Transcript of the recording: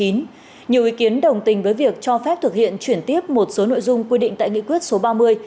nhiều ý kiến đồng tình với việc cho phép thực hiện chuyển tiếp một số nội dung quy định tại nghị quyết số ba mươi